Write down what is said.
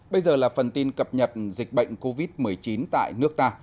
bây giờ là phần tin cập nhật dịch bệnh covid một mươi chín tại nước ta